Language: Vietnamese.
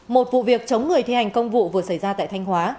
một vụ việc chống người thi hành công vụ vừa xảy ra tại thanh hóa